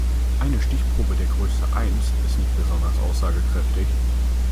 Eine Stichprobe der Größe eins ist nicht besonders aussagekräftig.